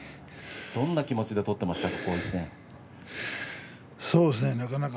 どんな気持ちで取っていましたか？